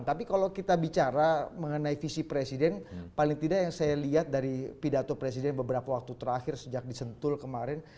tapi kalau kita bicara mengenai visi presiden paling tidak yang saya lihat dari pidato presiden beberapa waktu terakhir sejak disentul kemarin